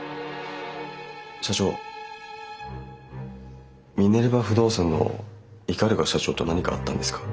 社長ミネルヴァ不動産の鵤社長と何かあったんですか？